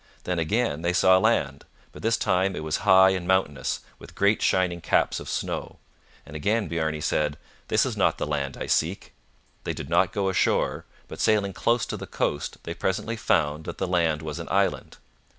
Then again they saw land, but this time it was high and mountainous, with great shining caps of snow. And again Bjarne said, 'This is not the land I seek.' They did not go ashore, but sailing close to the coast they presently found that the land was an island.